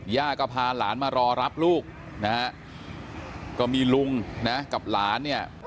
ย่าก็พาหลานมารอรับลูกนะฮะก็มีลุงนะกับหลานเนี่ย